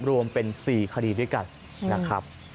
รวมเป็น๔คดีด้วยกันนะครับ